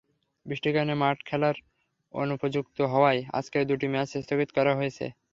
বৃষ্টির কারণে মাঠ খেলার অনুপযুক্ত হওয়ায় আজকের দুটি ম্যাচই স্থগিত করা হয়েছে।